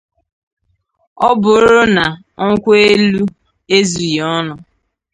ọ bụrụ na nkwụ elu ezughị ọnụ